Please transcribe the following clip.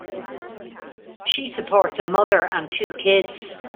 She supports a mother and two kids.